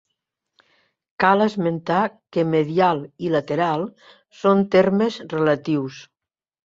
Cal esmentar que medial i lateral són termes relatius.